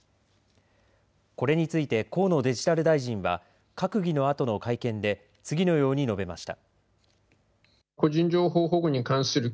これについて河野デジタル大臣は閣議のあとの会見で、次のように述べました。